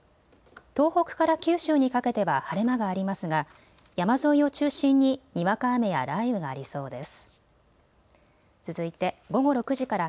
東北から九州にかけては晴れ間がありますが山沿いを中心ににわか雨や雷雨がありそうです。